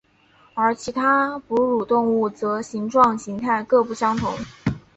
而其他哺乳动物则形状形态各不相同。